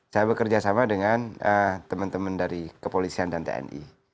saya bekerja sama dengan teman teman dari kepolisian dan tni